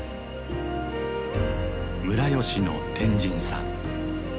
村吉の天神さん。